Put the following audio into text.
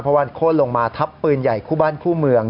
เพราะว่าโค้นลงมาทับปืนใหญ่คู่บ้านคู่เมือง